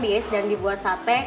di ace dan dibuat sate